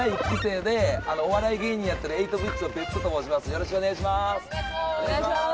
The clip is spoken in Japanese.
よろしくお願いします。